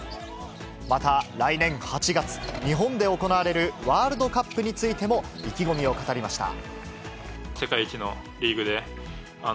また、来年８月、日本で行われるワールドカップについても、意気込みを語りました。